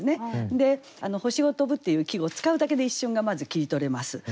星を飛ぶっていう季語を使うだけで一瞬がまず切り取れます。